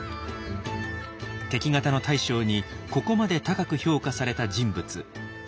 敵方の大将にここまで高く評価された人物